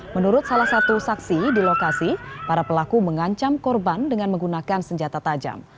menurut salah satu saksi di lokasi para pelaku mengancam korban dengan menggunakan senjata tajam